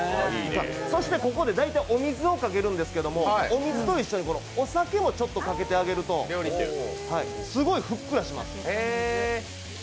そしてここで大体お水をかけるんですけどお水と一緒にお酒もちょっとかけてあげるとすごいふっくらします。